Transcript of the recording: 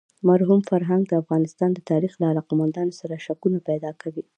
مرحوم فرهنګ د افغانستان د تاریخ له علاقه مندانو سره شکونه پیدا کوي.